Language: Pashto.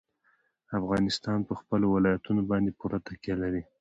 افغانستان په خپلو ولایتونو باندې پوره تکیه لري.